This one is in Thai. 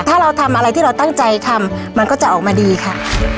ถ้าเราทำอะไรที่เราตั้งใจทำมันก็จะออกมาดีค่ะ